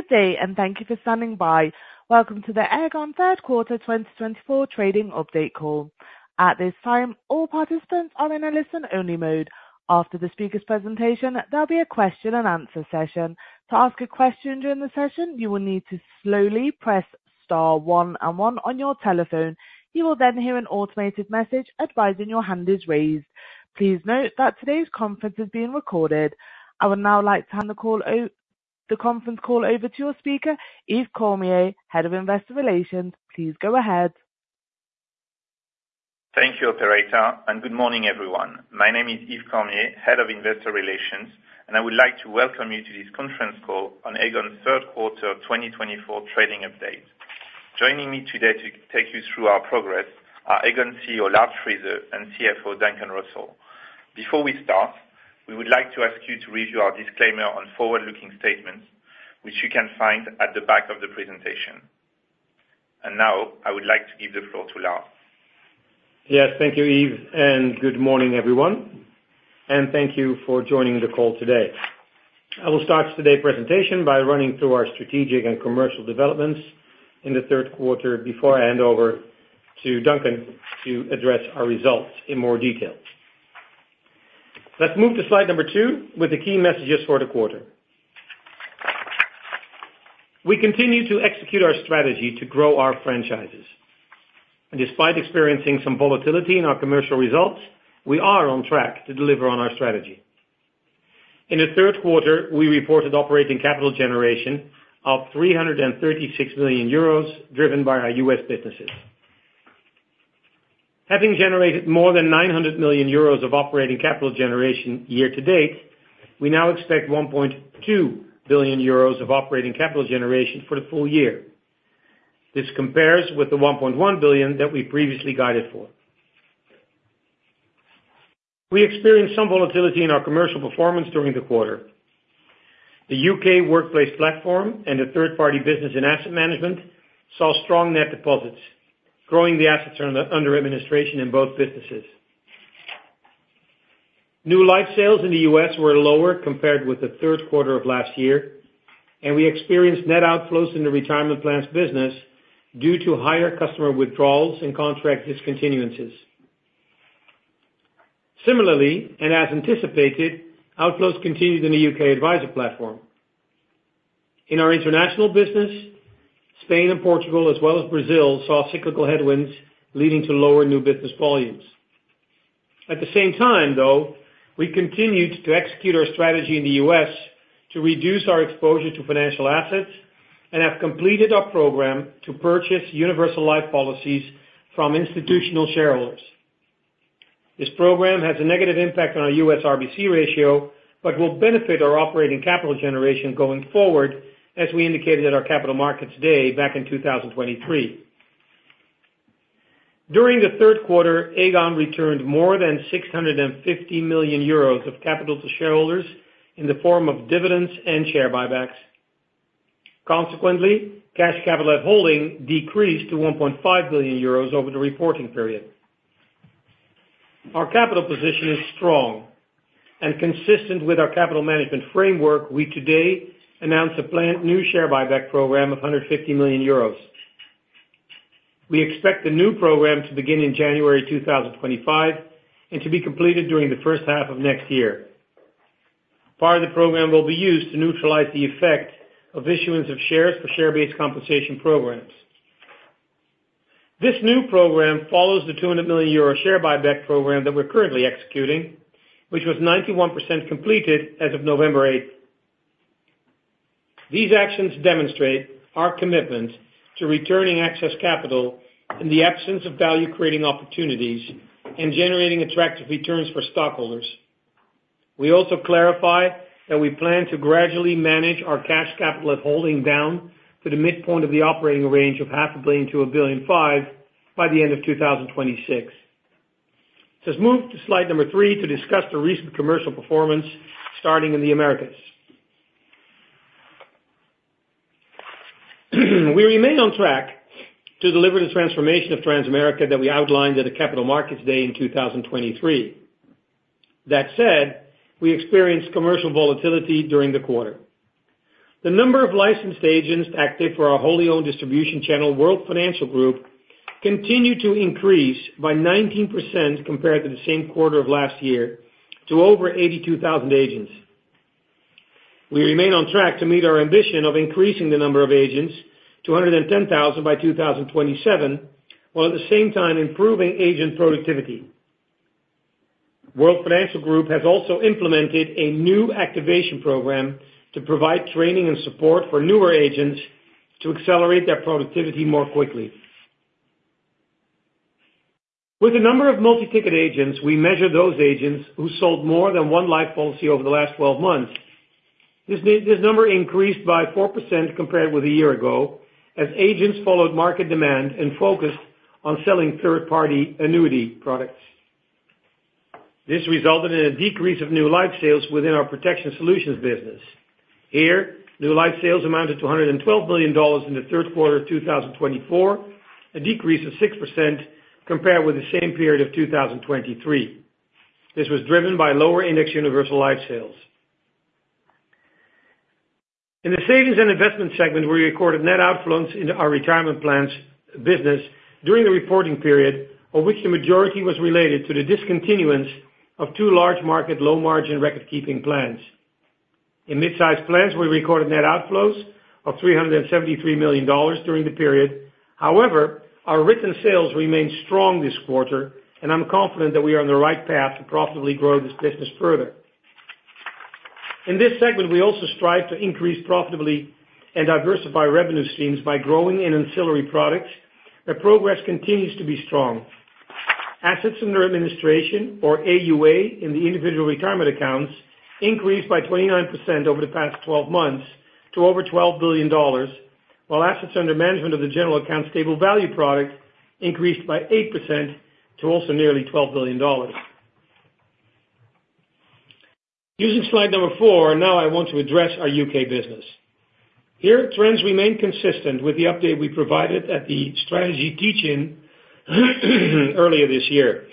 Good day, and thank you for standing by. Welcome to the Aegon Q3 2024 Trading Update Call. At this time, all participants are in a listen-only mode. After the speaker's presentation, there'll be a question-and-answer session. To ask a question during the session, you will need to slowly press star one one on your telephone. You will then hear an automated message advising your hand is raised. Please note that today's conference is being recorded. I would now like to hand the conference call over to your speaker, Yves Cormier, Head of Investor Relations. Please go ahead. Thank you, Operator, and good morning, everyone. My name is Yves Cormier, Head of Investor Relations, and I would like to welcome you to this conference call on Aegon Q3 2024 trading update. Joining me today to take you through our progress are Aegon CEO Lard Friese and CFO Duncan Russell. Before we start, we would like to ask you to review our disclaimer on forward-looking statements, which you can find at the back of the presentation, and now I would like to give the floor to Lard. Yes, thank you, Yves, and good morning, everyone. And thank you for joining the call today. I will start today's presentation by running through our strategic and commercial developments in the third quarter before I hand over to Duncan to address our results in more detail. Let's move to slide number two with the key messages for the quarter. We continue to execute our strategy to grow our franchises. Despite experiencing some volatility in our commercial results, we are on track to deliver on our strategy. In the third quarter, we reported operating capital generation of 336 million euros driven by our U.S. businesses. Having generated more than 900 million euros of operating capital generation year to date, we now expect 1.2 billion euros of operating capital generation for the full year. This compares with the 1.1 billion that we previously guided for. We experienced some volatility in our commercial performance during the quarter. The U.K. Workplace Platform and the Third Party Business and Asset Management saw strong net deposits, growing the assets under administration in both businesses. New life sales in the U.S. were lower compared with the third quarter of last year, and we experienced net outflows in the retirement plans business due to higher customer withdrawals and contract discontinuances. Similarly, and as anticipated, outflows continued in the U.K. Adviser Platform. In our international business, Spain and Portugal, as well as Brazil, saw cyclical headwinds leading to lower new business volumes. At the same time, though, we continued to execute our strategy in the U.S. to reduce our exposure to financial assets and have completed our program to purchase universal life policies from institutional shareholders. This program has a negative impact on our U.S. RBC ratio but will benefit our operating capital generation going forward, as we indicated at our capital markets day back in 2023. During the third quarter, Aegon returned more than 650 million euros of capital to shareholders in the form of dividends and share buybacks. Consequently, cash capital at holding decreased to 1.5 billion euros over the reporting period. Our capital position is strong, and consistent with our capital management framework, we today announce a planned new share buyback program of 150 million euros. We expect the new program to begin in January 2025 and to be completed during the first half of next year. Part of the program will be used to neutralize the effect of issuance of shares for share-based compensation programs. This new program follows the 200 million euro share buyback program that we're currently executing, which was 91% completed as of November 8th. These actions demonstrate our commitment to returning excess capital in the absence of value-creating opportunities and generating attractive returns for stockholders. We also clarify that we plan to gradually manage our cash capital at holding down to the midpoint of the operating range of 500 million-1.5 billion by the end of 2026. Let's move to slide number three to discuss the recent commercial performance starting in the Americas. We remain on track to deliver the transformation of Transamerica that we outlined at a Capital Markets Day in 2023. That said, we experienced commercial volatility during the quarter. The number of licensed agents active for our wholly-owned distribution channel, World Financial Group, continued to increase by 19% compared to the same quarter of last year to over 82,000 agents. We remain on track to meet our ambition of increasing the number of agents to 110,000 by 2027 while at the same time improving agent productivity. World Financial Group has also implemented a new activation program to provide training and support for newer agents to accelerate their productivity more quickly. With a number of multi-ticket agents, we measure those agents who sold more than one life policy over the last 12 months. This number increased by 4% compared with a year ago as agents followed market demand and focused on selling third-party annuity products. This resulted in a decrease of new life sales within our Protection Solutions business. Here, new life sales amounted to $112 million in the third quarter of 2024, a decrease of 6% compared with the same period of 2023. This was driven by lower index universal life sales. In the savings and investments segment, we recorded net outflows in our retirement plans business during the reporting period, of which the majority was related to the discontinuance of two large market low-margin record-keeping plans. In mid-size plans, we recorded net outflows of $373 million during the period. However, our written sales remained strong this quarter, and I'm confident that we are on the right path to profitably grow this business further. In this segment, we also strive to increase profitability and diversify revenue streams by growing in ancillary products, but progress continues to be strong. Assets under administration, or AUA, in the individual retirement accounts increased by 29% over the past 12 months to over $12 billion, while assets under management of the general account stable value product increased by 8% to also nearly $12 billion. Using slide number four, now I want to address our UK business. Here, trends remain consistent with the update we provided at the strategy teach-in earlier this year.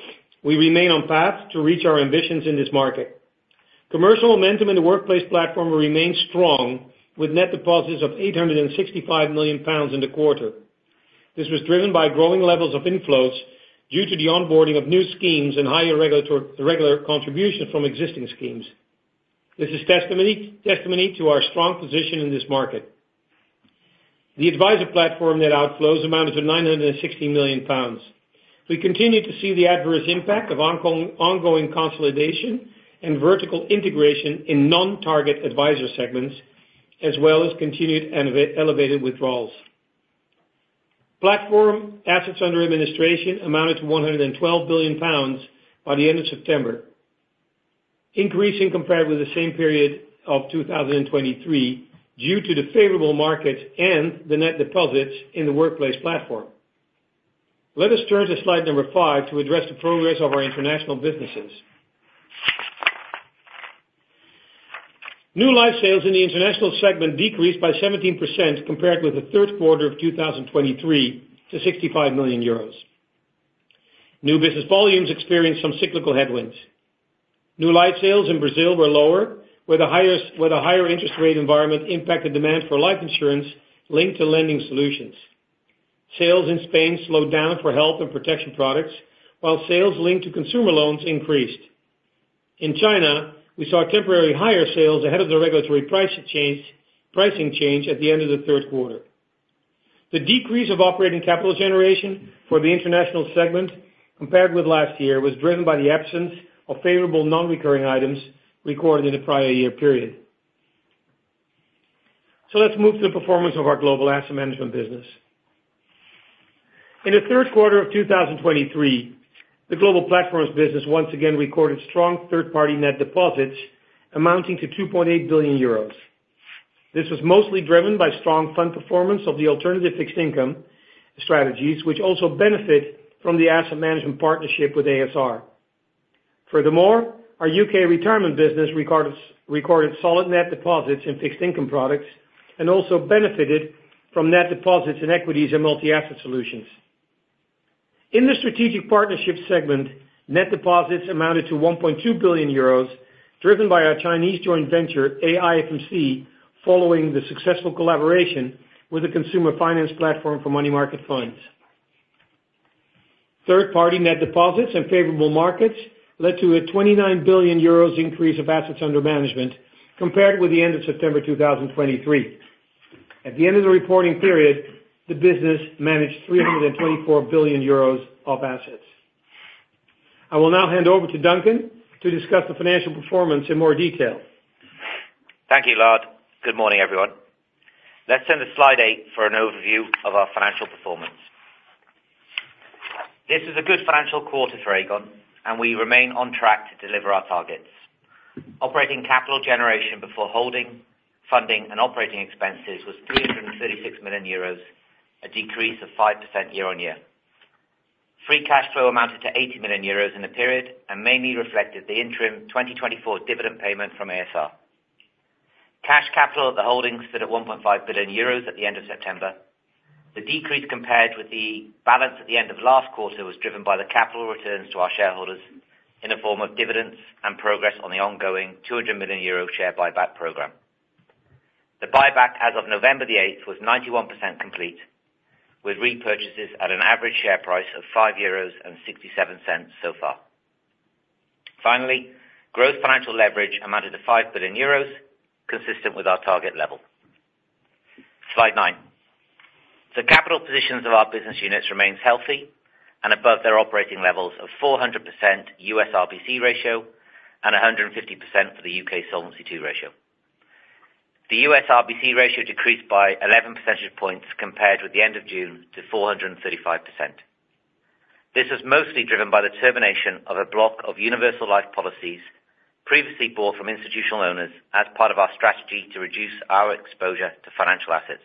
We remain on path to reach our ambitions in this market. Commercial momentum in the Workplace Platform remains strong, with net deposits of 865 million pounds in the quarter. This was driven by growing levels of inflows due to the onboarding of new schemes and higher regular contributions from existing schemes. This is testimony to our strong position in this market. The Adviser Platform net outflows amounted to 916 million pounds. We continue to see the adverse impact of ongoing consolidation and vertical integration in non-target adviser segments, as well as continued elevated withdrawals. Platform assets under administration amounted to 112 billion pounds by the end of September, increasing compared with the same period of 2023 due to the favorable markets and the net deposits in the Workplace Platform. Let us turn to slide number five to address the progress of our international businesses. New life sales in the international segment decreased by 17% compared with the third quarter of 2023 to 65 million euros. New business volumes experienced some cyclical headwinds. New life sales in Brazil were lower, where the higher interest rate environment impacted demand for life insurance linked to lending solutions. Sales in Spain slowed down for health and protection products, while sales linked to consumer loans increased. In China, we saw temporary higher sales ahead of the regulatory pricing change at the end of the third quarter. The decrease of operating capital generation for the international segment compared with last year was driven by the absence of favorable non-recurring items recorded in the prior year period. So let's move to the performance of our global asset management business. In the third quarter of 2023, the Global Platforms business once again recorded strong third-party net deposits amounting to € 2.8 billion. This was mostly driven by strong fund performance of the alternative fixed income strategies, which also benefit from the asset management partnership with a.s.r. Furthermore, our U.K. retirement business recorded solid net deposits in fixed income products and also benefited from net deposits in equities and multi-asset solutions. In the strategic partnership segment, net deposits amounted to 1.2 billion euros, driven by our Chinese joint venture, AIFMC, following the successful collaboration with the Consumer Finance Platform for money market funds. Third-party net deposits and favorable markets led to a 29 billion euros increase of assets under management compared with the end of September 2023. At the end of the reporting period, the business managed 324 billion euros of assets. I will now hand over to Duncan to discuss the financial performance in more detail. Thank you, Lard. Good morning, everyone. Let's send the Slide eight for an overview of our financial performance. This is a good financial quarter for Aegon, and we remain on track to deliver our targets. Operating capital generation before holding, funding, and operating expenses was 336 million euros, a decrease of 5% year-on-year. Free cash flow amounted to 80 million euros in the period and mainly reflected the interim 2024 dividend payment from a.s.r. Cash capital at the holdings stood at 1.5 billion euros at the end of September. The decrease compared with the balance at the end of last quarter was driven by the capital returns to our shareholders in the form of dividends and progress on the ongoing 200 million euro share buyback program. The buyback as of November 8th was 91% complete, with repurchases at an average share price of 5.67 euros so far. Finally, gross financial leverage amounted to 5 billion euros, consistent with our target level. Slide nine. The capital positions of our business units remain healthy and above their operating levels of 400% U.S. RBC ratio and 150% for the U.K. solvency ratio. The U.S. RBC ratio decreased by 11 percentage points compared with the end of June to 435%. This was mostly driven by the termination of a block of universal life policies previously bought from institutional owners as part of our strategy to reduce our exposure to financial assets.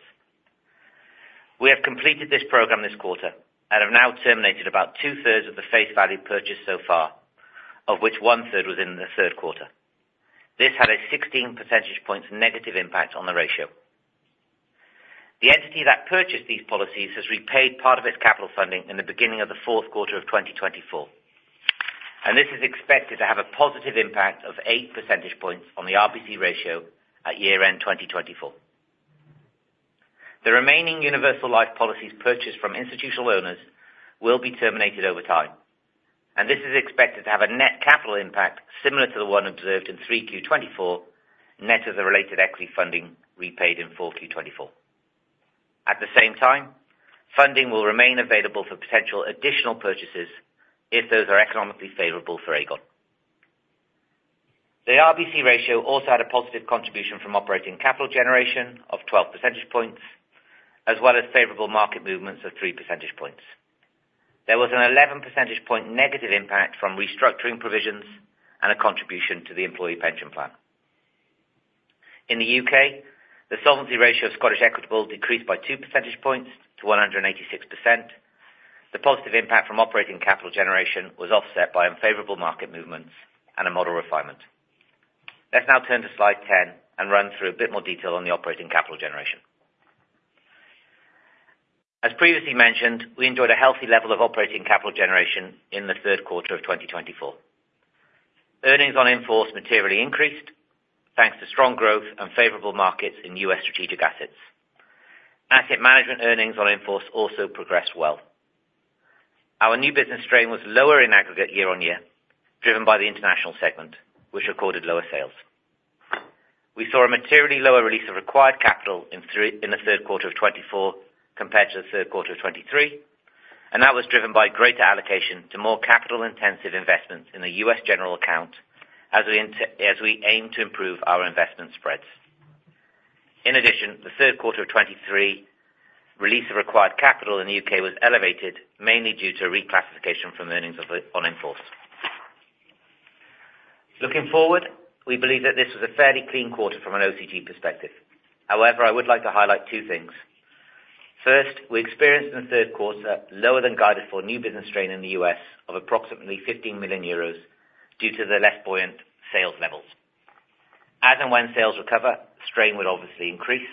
We have completed this program this quarter and have now terminated about two-thirds of the face value purchased so far, of which one-third was in the third quarter. This had a 16 percentage points negative impact on the ratio. The entity that purchased these policies has repaid part of its capital funding in the beginning of the fourth quarter of 2024, and this is expected to have a positive impact of eight percentage points on the RBC Ratio at year-end 2024. The remaining universal life policies purchased from institutional owners will be terminated over time, and this is expected to have a net capital impact similar to the one observed in 3Q 2024, net of the related equity funding repaid in 4Q 2024. At the same time, funding will remain available for potential additional purchases if those are economically favorable for Aegon. The RBC Ratio also had a positive contribution from operating capital generation of 12 percentage points, as well as favorable market movements of three percentage points. There was an 11 percentage point negative impact from restructuring provisions and a contribution to the employee pension plan. In the UK, the solvency ratio of Scottish Equitable decreased by two percentage points to 186%. The positive impact from operating capital generation was offset by unfavorable market movements and a model refinement. Let's now turn to Slide 10 and run through a bit more detail on the operating capital generation. As previously mentioned, we enjoyed a healthy level of operating capital generation in the third quarter of 2024. Earnings on inforce materially increased thanks to strong growth and favorable markets in US strategic assets. Asset management earnings on inforce also progressed well. Our new business strain was lower in aggregate year on year, driven by the international segment, which recorded lower sales. We saw a materially lower release of required capital in the third quarter of 2024 compared to the third quarter of 2023, and that was driven by greater allocation to more capital-intensive investments in the U.S. general account as we aim to improve our investment spreads. In addition, the third quarter of 2023 release of required capital in the U.K. was elevated, mainly due to reclassification from earnings on inforce. Looking forward, we believe that this was a fairly clean quarter from an OCG perspective. However, I would like to highlight two things. First, we experienced in the third quarter lower than guided for new business strain in the U.S. of approximately 15 million euros due to the less buoyant sales levels. As and when sales recover, strain would obviously increase.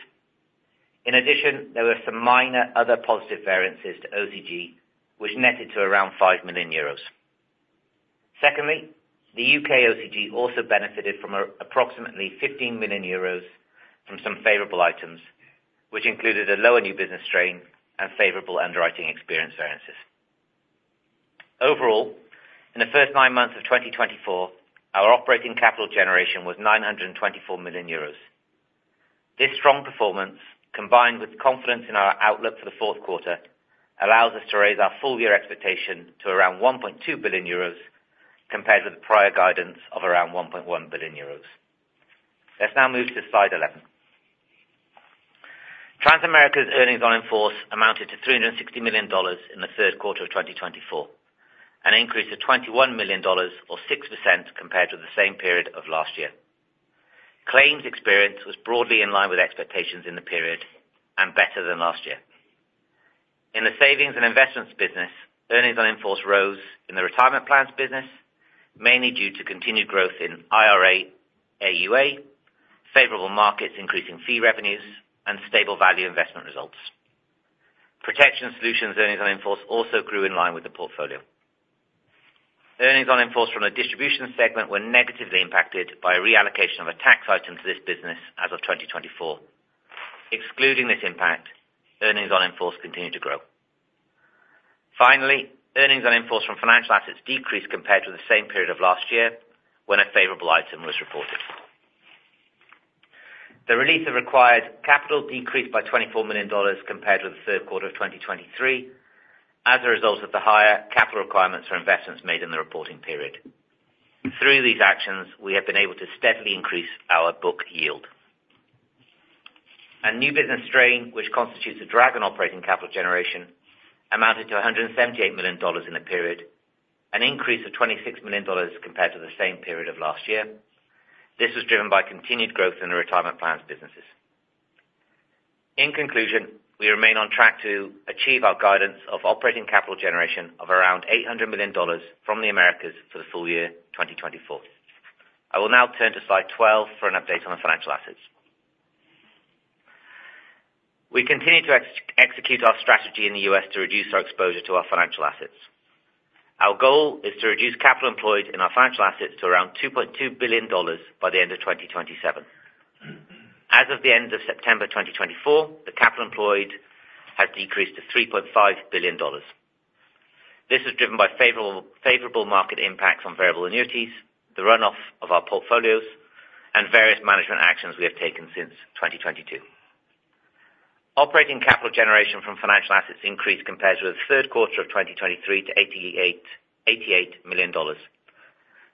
In addition, there were some minor other positive variances to OCG, which netted to around 5 million euros. Secondly, the UK OCG also benefited from approximately 15 million euros from some favorable items, which included a lower new business strain and favorable underwriting experience variances. Overall, in the first nine months of 2024, our operating capital generation was 924 million euros. This strong performance, combined with confidence in our outlook for the fourth quarter, allows us to raise our full-year expectation to around €1.2 billion compared with the prior guidance of around 1.1 billion euros. Let's now move to Slide 11. Transamerica's earnings on inforce amounted to $360 million in the third quarter of 2024, an increase of $21 million, or 6%, compared with the same period of last year. Claims experience was broadly in line with expectations in the period and better than last year. In the savings and investments business, earnings on inforce rose in the retirement plans business, mainly due to continued growth in IRA, AUA, favorable markets increasing fee revenues, and stable value investment results. Protection Solutions earnings on inforce also grew in line with the portfolio. Earnings on inforce from the distribution segment were negatively impacted by reallocation of a tax item to this business as of 2024. Excluding this impact, earnings on inforce continued to grow. Finally, earnings on inforce from financial assets decreased compared with the same period of last year when a favorable item was reported. The release of required capital decreased by $24 million compared with the third quarter of 2023 as a result of the higher capital requirements for investments made in the reporting period. Through these actions, we have been able to steadily increase our book yield. A new business strain, which constitutes a drag on operating capital generation, amounted to $178 million in the period, an increase of $26 million compared to the same period of last year. This was driven by continued growth in the retirement plans businesses. In conclusion, we remain on track to achieve our guidance of operating capital generation of around $800 million from the Americas for the full year 2024. I will now turn to Slide 12 for an update on the financial assets. We continue to execute our strategy in the U.S. to reduce our exposure to our financial assets. Our goal is to reduce capital employed in our financial assets to around $2.2 billion by the end of 2027. As of the end of September 2024, the capital employed has decreased to $3.5 billion. This is driven by favorable market impacts on variable annuities, the runoff of our portfolios, and various management actions we have taken since 2022. Operating capital generation from financial assets increased compared with the third quarter of 2023 to $88 million.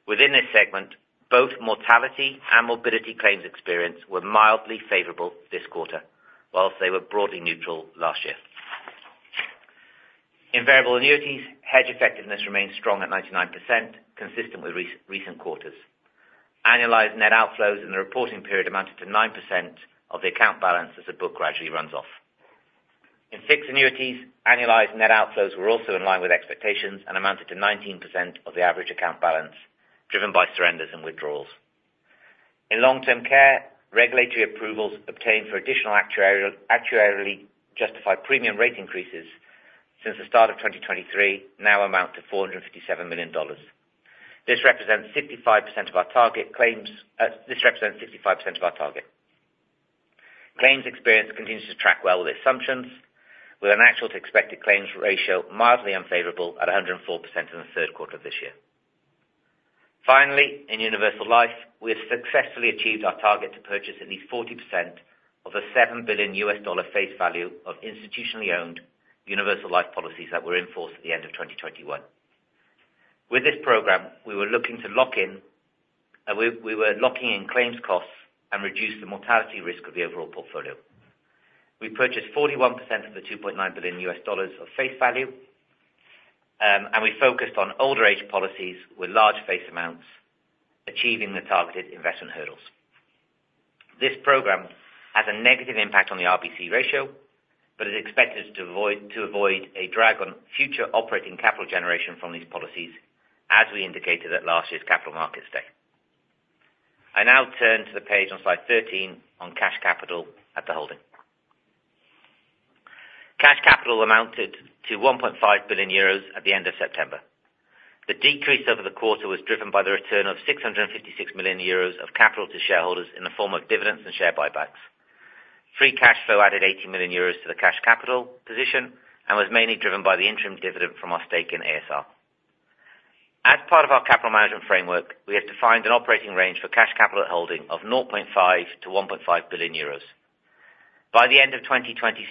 Within this segment, both mortality and morbidity claims experience were mildly favorable this quarter, whilst they were broadly neutral last year. In variable annuities, hedge effectiveness remained strong at 99%, consistent with recent quarters. Annualized net outflows in the reporting period amounted to 9% of the account balance as the book gradually runs off. In fixed annuities, annualized net outflows were also in line with expectations and amounted to 19% of the average account balance, driven by surrenders and withdrawals. In long-term care, regulatory approvals obtained for additional actuarially justified premium rate increases since the start of 2023 now amount to $457 million. This represents 65% of our target claims. Claims experience continues to track well with assumptions, with an actual to expected claims ratio mildly unfavorable at 104% in the third quarter of this year. Finally, in universal life, we have successfully achieved our target to purchase at least 40% of the $7 billion face value of institutionally owned universal life policies that were in force at the end of 2021. With this program, we were locking in claims costs and reduce the mortality risk of the overall portfolio. We purchased 41% of the $2.9 billion of face value, and we focused on older age policies with large face amounts, achieving the targeted investment hurdles. This program has a negative impact on the RBC ratio, but is expected to avoid a drag on future operating capital generation from these policies, as we indicated at last year's capital markets day. I now turn to the page on Slide 13 on cash capital at the holding. Cash capital amounted to 1.5 billion euros at the end of September. The decrease over the quarter was driven by the return of 656 million euros of capital to shareholders in the form of dividends and share buybacks. Free cash flow added 80 million euros to the cash capital position and was mainly driven by the interim dividend from our stake in a.s.r. As part of our capital management framework, we have defined an operating range for cash capital at holding of 0.5-1.5 billion euros. By the end of 2026,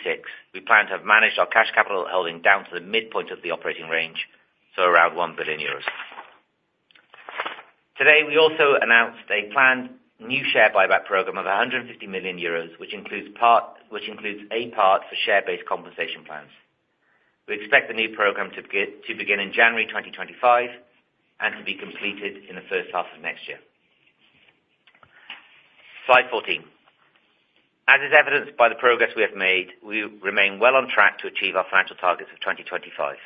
we plan to have managed our cash capital at holding down to the midpoint of the operating range, so around 1 billion euros. Today, we also announced a planned new share buyback program of 150 million euros, which includes a part for share-based compensation plans. We expect the new program to begin in January 2025 and to be completed in the first half of next year. Slide 14. As is evidenced by the progress we have made, we remain well on track to achieve our financial targets of 2025.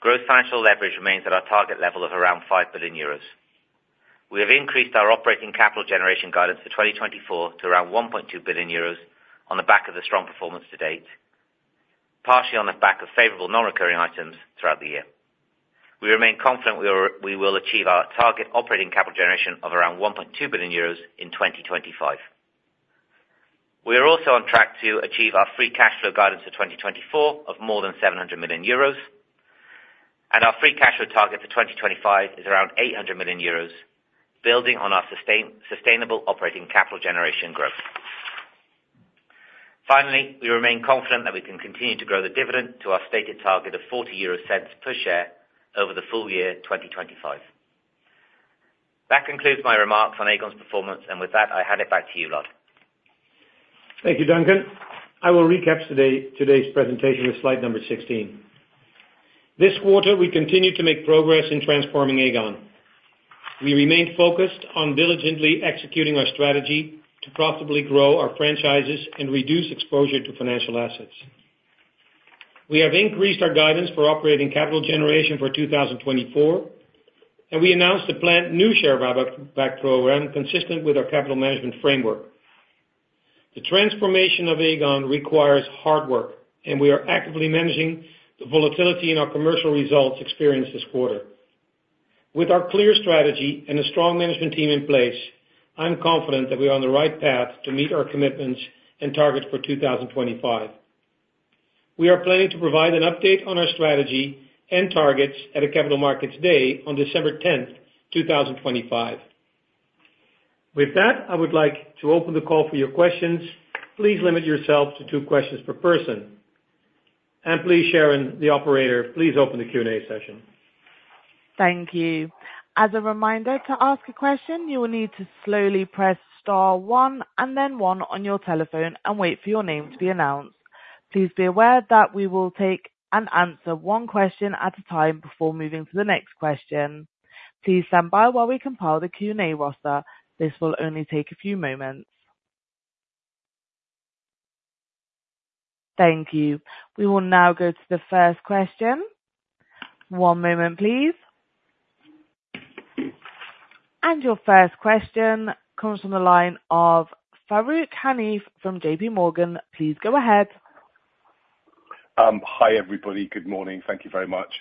Gross financial leverage remains at our target level of around 5 billion euros. We have increased our operating capital generation guidance for 2024 to around 1.2 billion euros on the back of the strong performance to date, partially on the back of favorable non-recurring items throughout the year. We remain confident we will achieve our target operating capital generation of around 1.2 billion euros in 2025. We are also on track to achieve our free cash flow guidance for 2024 of more than 700 million euros, and our free cash flow target for 2025 is around 800 million euros, building on our sustainable operating capital generation growth. Finally, we remain confident that we can continue to grow the dividend to our stated target of 0.40 per share over the full year 2025. That concludes my remarks on Aegon's performance, and with that, I hand it back to you, Lard. Thank you, Duncan. I will recap today's presentation with slide number 16. This quarter, we continue to make progress in transforming Aegon. We remained focused on diligently executing our strategy to profitably grow our franchises and reduce exposure to financial assets. We have increased our guidance for operating capital generation for 2024, and we announced the planned new share buyback program consistent with our capital management framework. The transformation of Aegon requires hard work, and we are actively managing the volatility in our commercial results experienced this quarter. With our clear strategy and a strong management team in place, I'm confident that we are on the right path to meet our commitments and targets for 2025. We are planning to provide an update on our strategy and targets at a Capital Markets Day on December 10, 2025. With that, I would like to open the call for your questions. Please limit yourself to two questions per person, and please, Sharon, the operator, please open the Q&A session. Thank you. As a reminder, to ask a question, you will need to slowly press star one and then one on your telephone and wait for your name to be announced. Please be aware that we will take and answer one question at a time before moving to the next question. Please stand by while we compile the Q&A roster. This will only take a few moments. Thank you. We will now go to the first question. One moment, please. And your first question comes from the line of Farooq Hanif from J.P. Morgan. Please go ahead. Hi, everybody. Good morning. Thank you very much.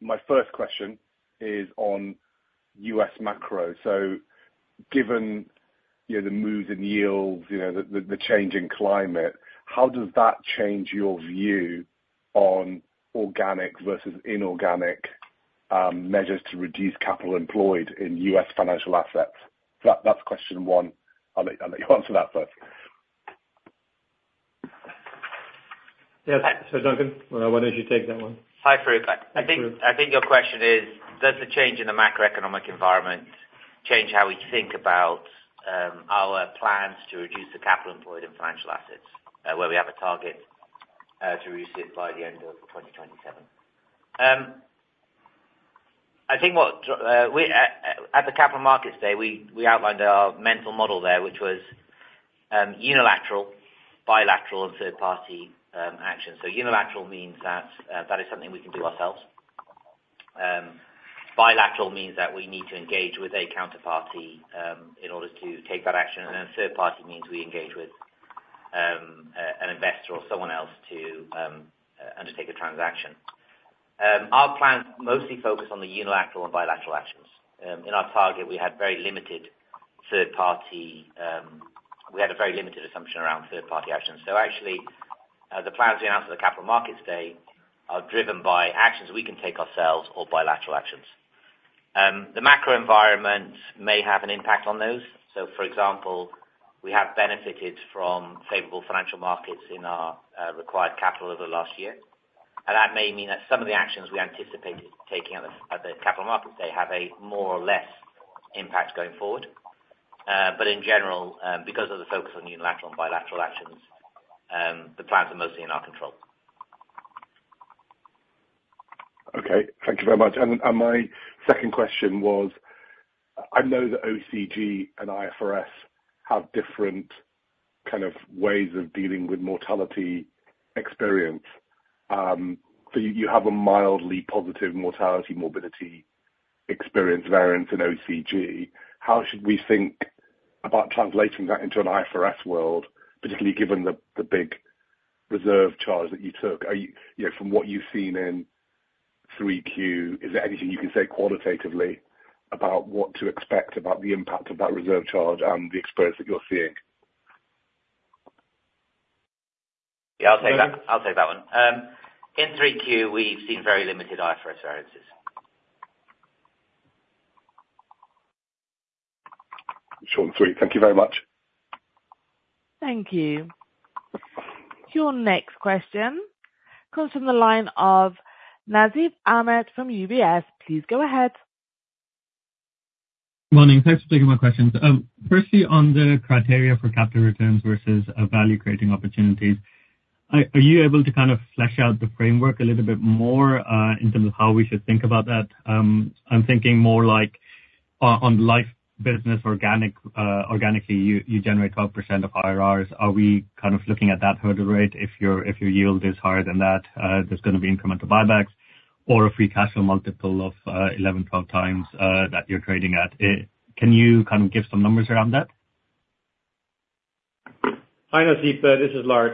My first question is on U.S. macro. So given the moves in yields, the changing climate, how does that change your view on organic versus inorganic measures to reduce capital employed in U.S. financial assets? That's question one. I'll let you answer that first. Yes. So, Duncan, when did you take that one? Hi, Farooq. I think your question is, does the change in the macroeconomic environment change how we think about our plans to reduce the capital employed in financial assets, where we have a target to reduce it by the end of 2027? I think at the Capital Markets Day, we outlined our mental model there, which was unilateral, bilateral, and third-party action. Unilateral means that that is something we can do ourselves. Bilateral means that we need to engage with a counterparty in order to take that action. Third-party means we engage with an investor or someone else to undertake a transaction. Our plans mostly focus on the unilateral and bilateral actions. In our target, we had very limited third-party. We had a very limited assumption around third-party actions. So actually, the plans we announced at the Capital Markets Day are driven by actions we can take ourselves or bilateral actions. The macro environment may have an impact on those. So, for example, we have benefited from favorable financial markets in our required capital over the last year. And that may mean that some of the actions we anticipated taking at the Capital Markets Day have a more or less impact going forward. But in general, because of the focus on unilateral and bilateral actions, the plans are mostly in our control. Okay. Thank you very much. And my second question was, I know that OCG and IFRS have different kind of ways of dealing with mortality experience. So you have a mildly positive mortality morbidity experience variance in OCG. How should we think about translating that into an IFRS world, particularly given the big reserve charge that you took? From what you've seen in 3Q, is there anything you can say qualitatively about what to expect about the impact of that reserve charge and the experience that you're seeing? Yeah, I'll take that one. In 3Q, we've seen very limited IFRS variances. Sure. Thank you very much. Thank you. Your next question comes from the line of Nasib Ahmed from UBS. Please go ahead. Good morning. Thanks for taking my questions. Firstly, on the criteria for capital returns versus value-creating opportunities, are you able to kind of flesh out the framework a little bit more in terms of how we should think about that? I'm thinking more like on life business, organically, you generate 12% of IRRs. Are we kind of looking at that hurdle rate? If your yield is higher than that, there's going to be incremental buybacks or a free cash flow multiple of 11-12 times that you're trading at. Can you kind of give some numbers around that? Hi, Nasib. This is Lard.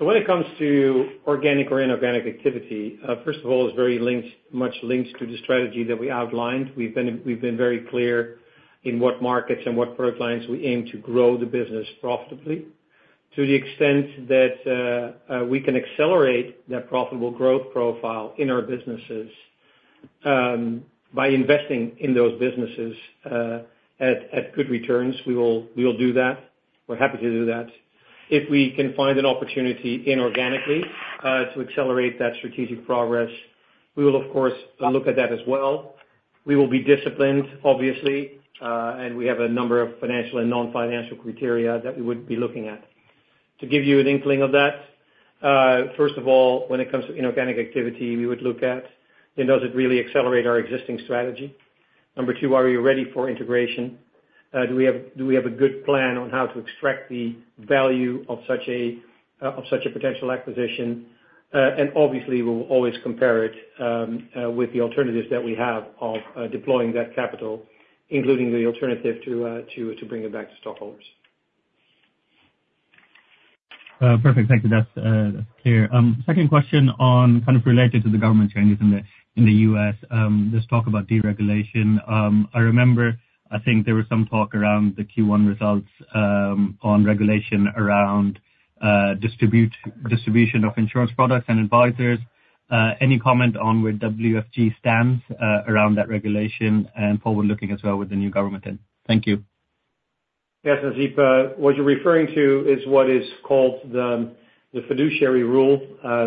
So when it comes to organic or inorganic activity, first of all, it's very much linked to the strategy that we outlined. We've been very clear in what markets and what product lines we aim to grow the business profitably to the extent that we can accelerate that profitable growth profile in our businesses by investing in those businesses at good returns. We will do that. We're happy to do that. If we can find an opportunity inorganically to accelerate that strategic progress, we will, of course, look at that as well. We will be disciplined, obviously, and we have a number of financial and non-financial criteria that we would be looking at. To give you an inkling of that, first of all, when it comes to inorganic activity, we would look at, does it really accelerate our existing strategy? Number two, are we ready for integration? Do we have a good plan on how to extract the value of such a potential acquisition? And obviously, we will always compare it with the alternatives that we have of deploying that capital, including the alternative to bring it back to stockholders. Perfect. Thank you. That's clear. Second question on kind of related to the government changes in the U.S. There's talk about deregulation. I remember, I think there was some talk around the Q1 results on regulation around distribution of insurance products and advisors. Any comment on where WFG stands around that regulation and forward-looking as well with the new government then? Thank you. Yes, Nasib. What you're referring to is what is called the fiduciary rule.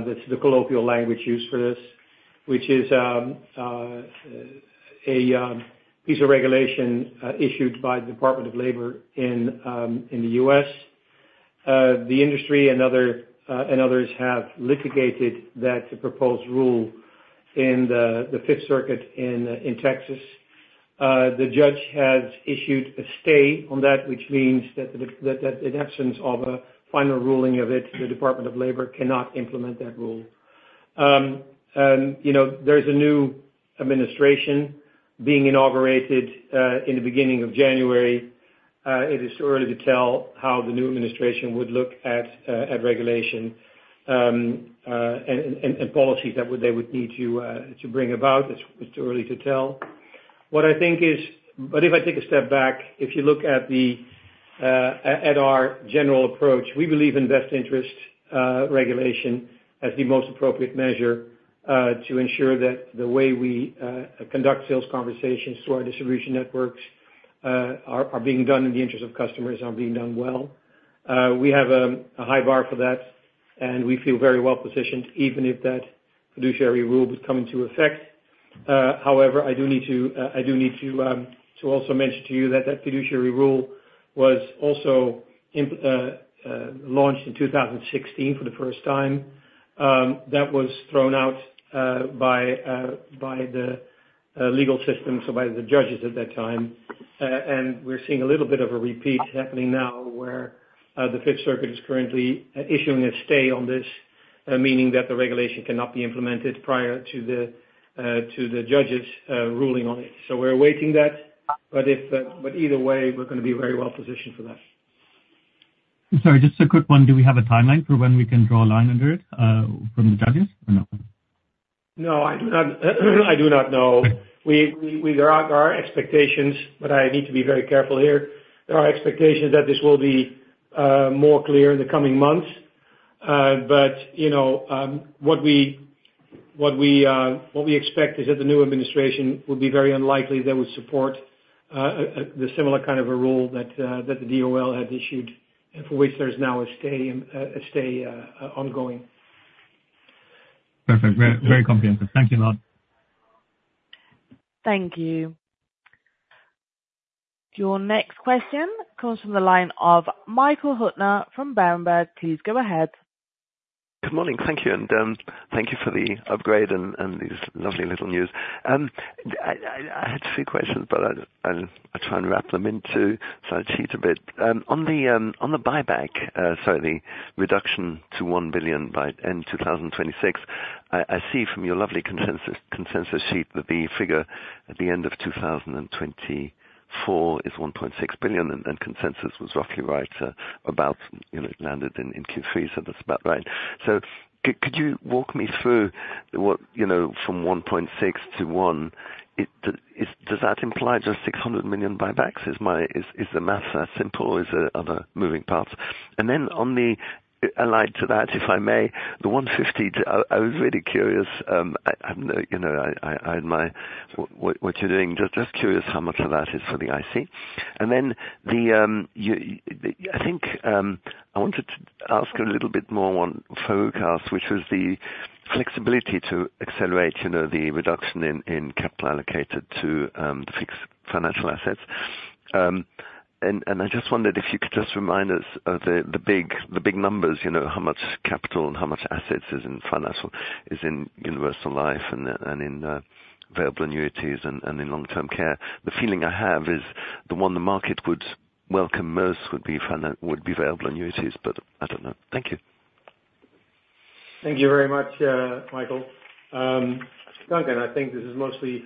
That's the colloquial language used for this, which is a piece of regulation issued by the Department of Labor in the U.S. The industry and others have litigated that proposed rule in the Fifth Circuit in Texas. The judge has issued a stay on that, which means that in absence of a final ruling of it, the Department of Labor cannot implement that rule. There's a new administration being inaugurated in the beginning of January. It is too early to tell how the new administration would look at regulation and policies that they would need to bring about. It's too early to tell. What I think is, but if I take a step back, if you look at our general approach, we believe in best interest regulation as the most appropriate measure to ensure that the way we conduct sales conversations through our distribution networks are being done in the interest of customers are being done well. We have a high bar for that, and we feel very well positioned even if that Fiduciary Rule would come into effect. However, I do need to also mention to you that that Fiduciary Rule was also launched in 2016 for the first time. That was thrown out by the legal system, so by the judges at that time. And we're seeing a little bit of a repeat happening now where the Fifth Circuit is currently issuing a stay on this, meaning that the regulation cannot be implemented prior to the judges' ruling on it. So we're awaiting that. But either way, we're going to be very well positioned for that. Sorry, just a quick one. Do we have a timeline for when we can draw a line under it from the judges or not? No, I do not know. There are expectations, but I need to be very careful here. There are expectations that this will be more clear in the coming months. But what we expect is that the new administration would be very unlikely that would support the similar kind of a rule that the DOL had issued and for which there's now a stay ongoing. Perfect. Very comprehensive. Thank you a lot. Thank you. Your next question comes from the line of Michael Huttner from Berenberg. Please go ahead. Good morning. Thank you. And thank you for the upgrade and these lovely little news. I had two questions, but I'll try and wrap them in too so I cheat a bit. On the buyback, sorry, the reduction to 1 billion by end 2026, I see from your lovely consensus sheet that the figure at the end of 2024 is 1.6 billion, and consensus was roughly right about it landed in Q3, so that's about right. So could you walk me through from 1.6-1? Does that imply just 600 million buybacks? Is the math that simple or are there other moving parts? And then on the, allied to that, if I may, the 150, I was really curious. I had my what you're doing, just curious how much of that is for the IC. And then I think I wanted to ask a little bit more on Farooq's, which was the flexibility to accelerate the reduction in capital allocated to fixed financial assets. I just wondered if you could just remind us of the big numbers, how much capital and how much assets is in universal life and in variable annuities and in long-term care? The feeling I have is the one the market would welcome most would be variable annuities, but I don't know. Thank you. Thank you very much, Michael. Duncan, I think this is mostly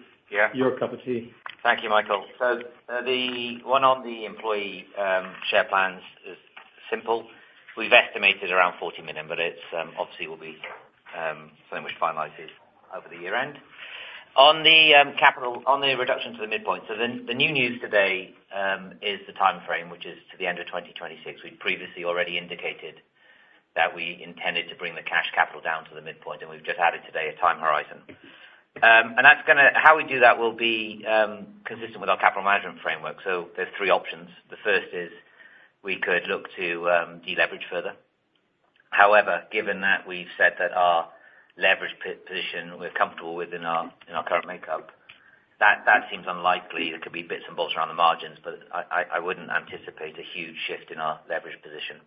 your cup of tea. Thank you, Michael. The one on the employee share plans is simple. We've estimated around €40 million, but it obviously will be something which finalizes over the year-end. On the reduction to the midpoint, the new news today is the timeframe, which is to the end of 2026. We'd previously already indicated that we intended to bring the cash capital down to the midpoint, and we've just added today a time horizon. How we do that will be consistent with our capital management framework. There's three options. The first is we could look to deleverage further. However, given that we've said that our leverage position, we're comfortable within our current makeup, that seems unlikely. There could be bits and bobs around the margins, but I wouldn't anticipate a huge shift in our leverage position.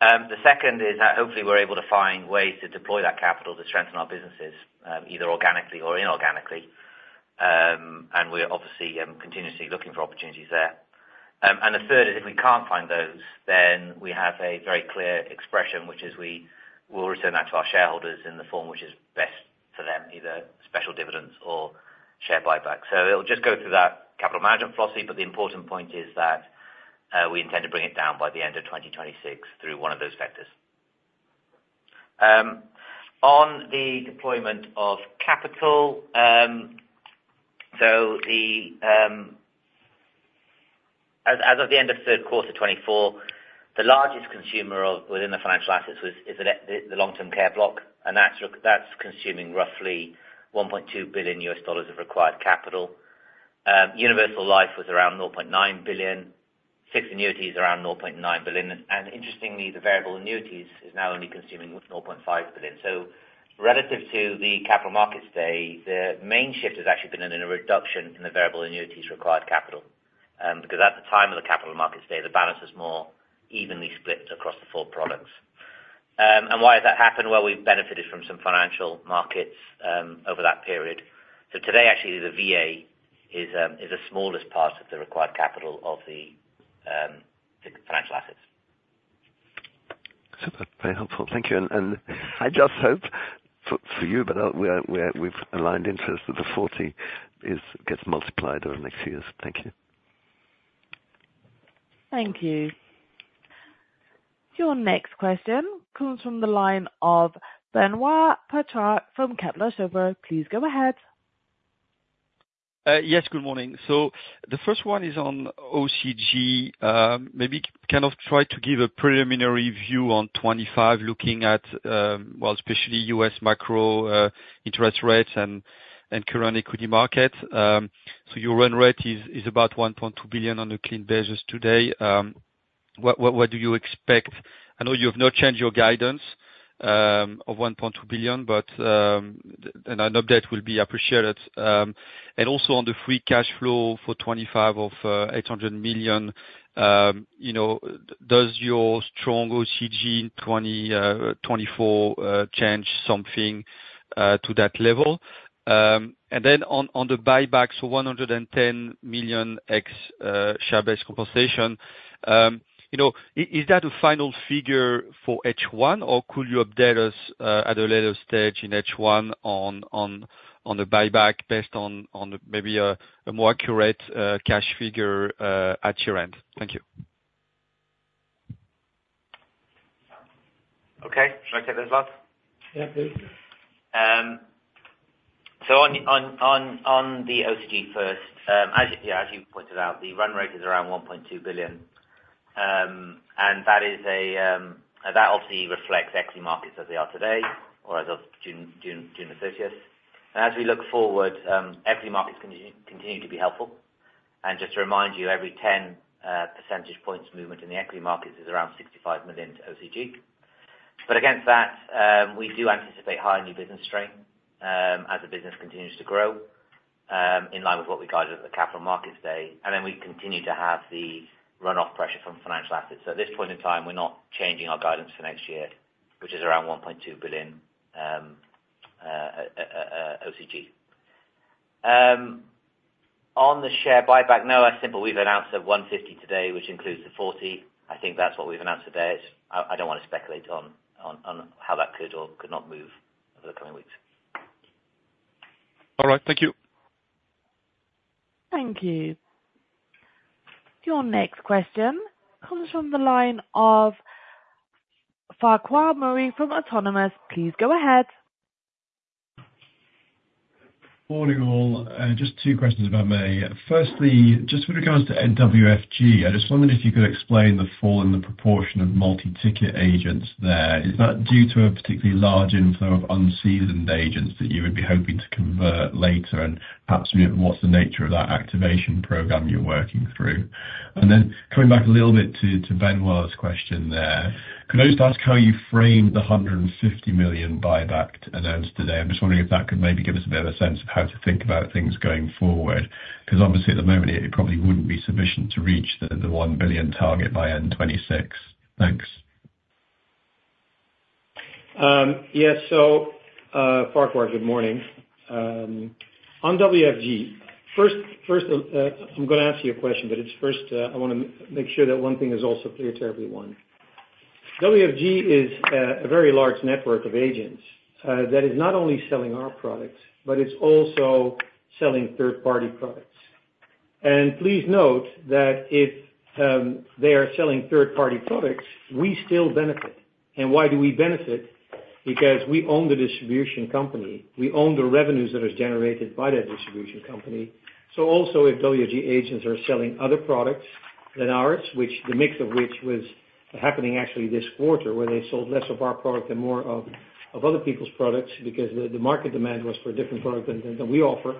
The second is that hopefully we're able to find ways to deploy that capital to strengthen our businesses either organically or inorganically. We're obviously continuously looking for opportunities there. The third is if we can't find those, then we have a very clear expression, which is we will return that to our shareholders in the form which is best for them, either special dividends or share buybacks. So it'll just go through that capital management policy, but the important point is that we intend to bring it down by the end of 2026 through one of those vectors. On the deployment of capital, so as of the end of third quarter 2024, the largest consumer within the financial assets is the long-term care block, and that's consuming roughly EUR 1.2 billion of required capital. Universal life was around 0.9 billion. Fixed annuities around 0.9 billion. And interestingly, the variable annuities is now only consuming $0.5 billion. So relative to the Capital Markets Day, the main shift has actually been in a reduction in the variable annuities required capital. Because at the time of the Capital Markets Day, the balance was more evenly split across the four products. And why has that happened? Well, we've benefited from some financial markets over that period. So today, actually, the VA is the smallest part of the required capital of the financial assets. So that's very helpful. Thank you. And I just hope for you, but we've aligned interests that the 40 gets multiplied over the next few years. Thank you. Thank you. Your next question comes from the line of Benoît Pétrard from Kepler Cheuvreux. Please go ahead. Yes, good morning. So the first one is on OCG. Maybe kind of try to give a preliminary view on 2025, looking at, well, especially U.S. macro interest rates and current equity markets. So your run rate is about 1.2 billion on the clean basis today. What do you expect? I know you have not changed your guidance of 1.2 billion, but I know that will be appreciated. And also on the free cash flow for 2025 of 800 million, does your strong OCG in 2024 change something to that level? And then on the buyback, so 110 million ex share-based compensation, is that a final figure for H1, or could you update us at a later stage in H1 on the buyback based on maybe a more accurate cash figure at year-end? Thank you. Okay. Should I take this slot? Yeah, please. So on the OCG first, yeah, as you pointed out, the run rate is around 1.2 billion. And that obviously reflects equity markets as they are today or as of June 30th. And as we look forward, equity markets continue to be helpful. And just to remind you, every 10 percentage points movement in the equity markets is around 65 million OCG. But against that, we do anticipate higher new business strain as the business continues to grow in line with what we guided at the capital markets day. And then we continue to have the run-off pressure from financial assets. So at this point in time, we're not changing our guidance for next year, which is around 1.2 billion OCG. On the share buyback, no, that's simple. We've announced 150 million today, which includes the 40 million. I think that's what we've announced today. I don't want to speculate on how that could or could not move over the coming weeks. All right. Thank you. Thank you. Your next question comes from the line of Farquhar Murray from Autonomous. Please go ahead. Morning all. Just two questions from me. Firstly, just with regards to our WFG, I just wondered if you could explain the fall in the proportion of multi-ticket agents there. Is that due to a particularly large inflow of unseasoned agents that you would be hoping to convert later? And perhaps what's the nature of that activation program you're working through? And then coming back a little bit to Benoit's question there, could I just ask how you framed the 150 million buyback to announce today? I'm just wondering if that could maybe give us a bit of a sense of how to think about things going forward. Because obviously, at the moment, it probably wouldn't be sufficient to reach the 1 billion target by end 2026. Thanks. Yes. So Farquhar, good morning. On WFG, first, I'm going to ask you a question, but first, I want to make sure that one thing is also clear to everyone. WFG is a very large network of agents that is not only selling our products, but it's also selling third-party products. And please note that if they are selling third-party products, we still benefit. And why do we benefit? Because we own the distribution company. We own the revenues that are generated by that distribution company. So also, if WFG agents are selling other products than ours, which the mix of which was happening actually this quarter, where they sold less of our product and more of other people's products because the market demand was for a different product than we offer,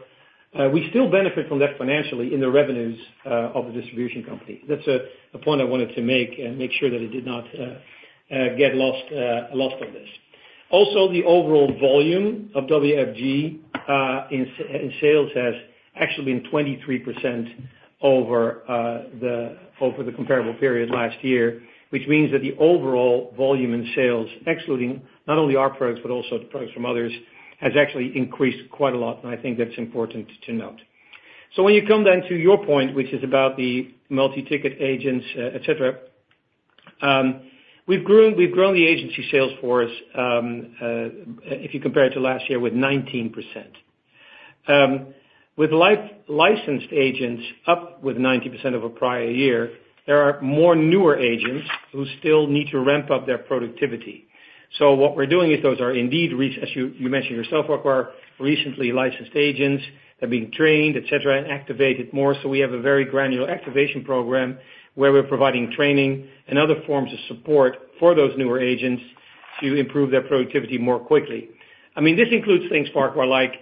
we still benefit from that financially in the revenues of the distribution company. That's a point I wanted to make and make sure that it did not get lost on this. Also, the overall volume of WFG in sales has actually been 23% over the comparable period last year, which means that the overall volume in sales, excluding not only our products, but also products from others, has actually increased quite a lot. And I think that's important to note. So when you come then to your point, which is about the multi-ticket agents, etc., we've grown the agency sales force, if you compare it to last year, with 19%. With licensed agents up with 90% over prior year, there are more newer agents who still need to ramp up their productivity. So what we're doing is those are indeed, as you mentioned yourself, Farquhar, recently licensed agents that are being trained, etc., and activated more. So we have a very granular activation program where we're providing training and other forms of support for those newer agents to improve their productivity more quickly. I mean, this includes things, Farquhar, like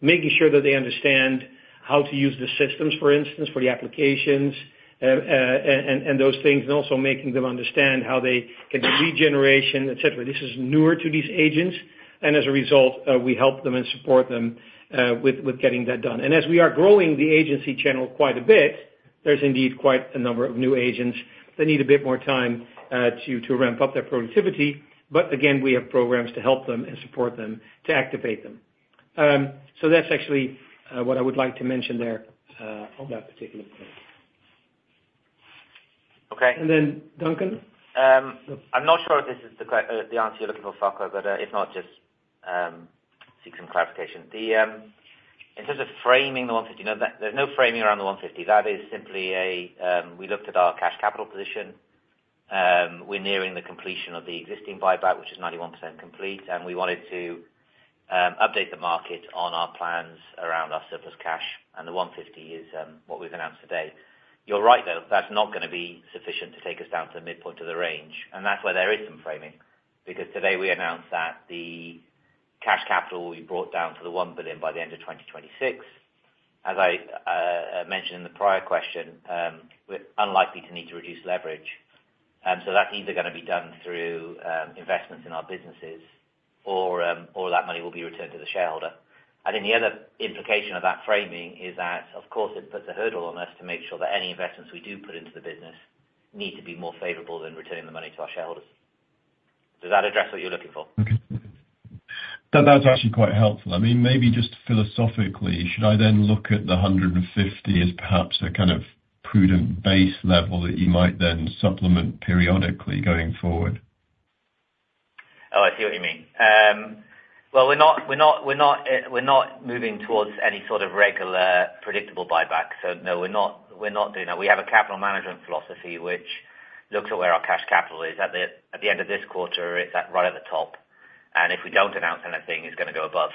making sure that they understand how to use the systems, for instance, for the applications and those things, and also making them understand how they can do lead generation, etc. This is newer to these agents. And as a result, we help them and support them with getting that done. And as we are growing the agency channel quite a bit, there's indeed quite a number of new agents that need a bit more time to ramp up their productivity. But again, we have programs to help them and support them to activate them. So that's actually what I would like to mention there on that particular point. Okay. And then, Duncan? I'm not sure if this is the answer you're looking for, Farquhar, but if not, just seek some clarification. In terms of framing the 150, there's no framing around the 150. That is simply, we looked at our cash capital position. We're nearing the completion of the existing buyback, which is 91% complete. And we wanted to update the market on our plans around our surplus cash. And the 150 is what we've announced today. You're right, though. That's not going to be sufficient to take us down to the midpoint of the range. And that's where there is some framing. Because today, we announced that the cash capital we brought down to the 1 billion by the end of 2026, as I mentioned in the prior question, we're unlikely to need to reduce leverage. And so that's either going to be done through investments in our businesses or that money will be returned to the shareholder. I think the other implication of that framing is that, of course, it puts a hurdle on us to make sure that any investments we do put into the business need to be more favorable than returning the money to our shareholders. Does that address what you're looking for? Okay. That's actually quite helpful. I mean, maybe just philosophically, should I then look at the 150 as perhaps a kind of prudent base level that you might then supplement periodically going forward? Oh, I see what you mean. Well, we're not moving towards any sort of regular predictable buyback. So no, we're not doing that. We have a capital management philosophy which looks at where our cash capital is. At the end of this quarter, it's right at the top, and if we don't announce anything, it's going to go above,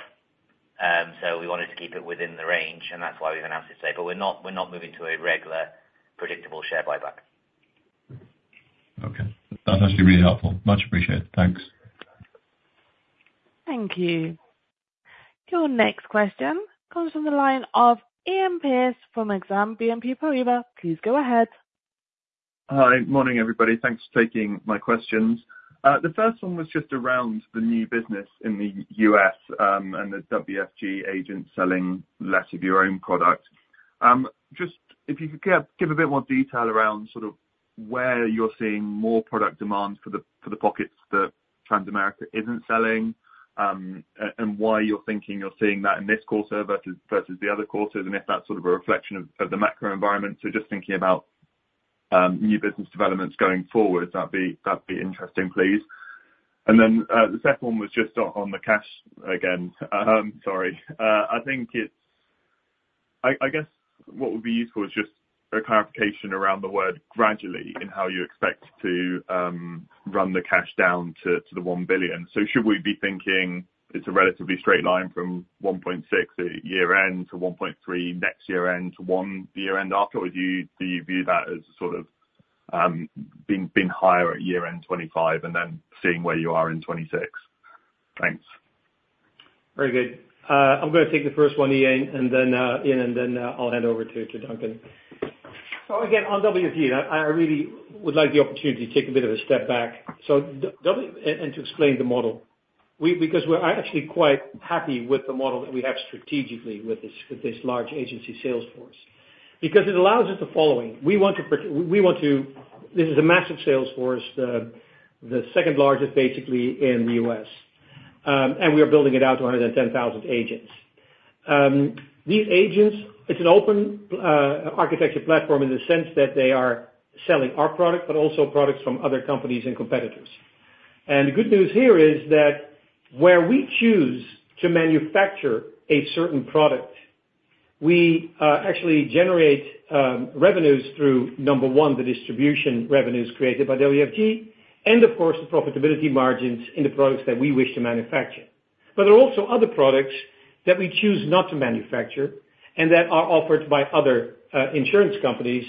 so we wanted to keep it within the range, and that's why we've announced it today, but we're not moving to a regular predictable share buyback. Okay. That's actually really helpful. Much appreciated. Thanks. Thank you. Your next question comes from the line of Iain Pearce from Exane BNP Paribas. Please go ahead. Hi. Morning, everybody. Thanks for taking my questions. The first one was just around the new business in the US and the WFG agents selling less of your own product. Just if you could give a bit more detail around sort of where you're seeing more product demand for the pockets that Transamerica isn't selling and why you're thinking you're seeing that in this quarter versus the other quarters and if that's sort of a reflection of the macro environment. So just thinking about new business developments going forward, that'd be interesting, please. And then the second one was just on the cash again. Sorry. I guess what would be useful is just a clarification around the word gradually in how you expect to run the cash down to the 1 billion. So should we be thinking it's a relatively straight line from 1.6 year-end to 1.3 next year-end to 1 year-end afterwards? Do you view that as sort of being higher at year-end 2025 and then seeing where you are in 2026? Thanks. Very good. I'm going to take the first one, Iain, and then I'll hand over to Duncan. So again, on WFG, I really would like the opportunity to take a bit of a step back and to explain the model. Because we're actually quite happy with the model that we have strategically with this large agency sales force. Because it allows us the following. We want to—this is a massive sales force, the second largest basically in the U.S. And we are building it out to 110,000 agents. These agents, it's an open architecture platform in the sense that they are selling our product, but also products from other companies and competitors. The good news here is that where we choose to manufacture a certain product, we actually generate revenues through, number one, the distribution revenues created by WFG, and of course, the profitability margins in the products that we wish to manufacture. There are also other products that we choose not to manufacture and that are offered by other insurance companies,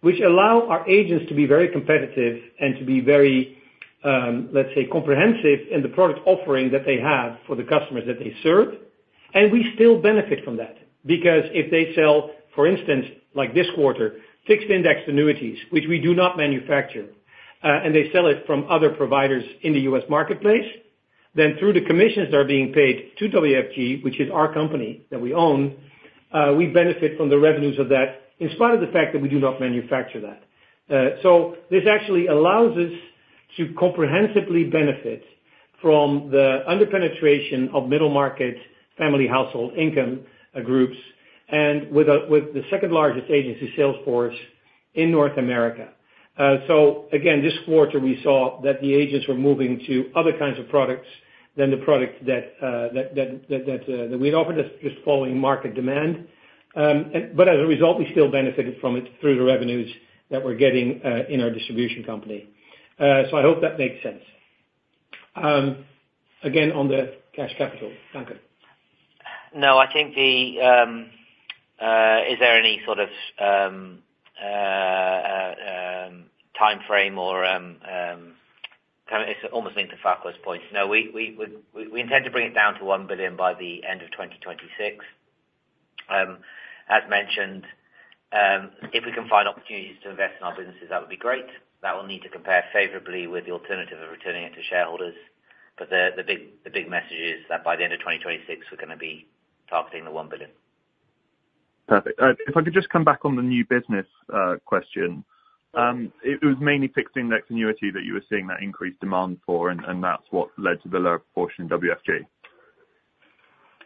which allow our agents to be very competitive and to be very, let's say, comprehensive in the product offering that they have for the customers that they serve. We still benefit from that. Because if they sell, for instance, like this quarter, fixed index annuities, which we do not manufacture, and they sell it from other providers in the U.S. marketplace, then through the commissions that are being paid to WFG, which is our company that we own, we benefit from the revenues of that in spite of the fact that we do not manufacture that. So this actually allows us to comprehensively benefit from the underpenetration of middle-market family household income groups and with the second largest agency sales force in North America. So again, this quarter, we saw that the agents were moving to other kinds of products than the product that we'd offered us just following market demand. But as a result, we still benefited from it through the revenues that we're getting in our distribution company. So I hope that makes sense. Again, on the cash capital, Duncan? No, I think. Is there any sort of timeframe or kind of? It's almost linked to Farquhar's point. No, we intend to bring it down to one billion by the end of 2026. As mentioned, if we can find opportunities to invest in our businesses, that would be great. That will need to compare favorably with the alternative of returning it to shareholders. But the big message is that by the end of 2026, we're going to be targeting the one billion euro. Perfect. If I could just come back on the new business question. It was mainly fixed index annuity that you were seeing that increased demand for, and that's what led to the lower portion in WFG.